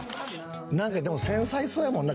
なんかでも繊細そうやもんな。